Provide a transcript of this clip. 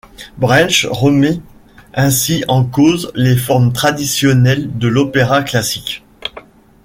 Brecht remet ainsi en cause les formes traditionnelles de l'opéra classique.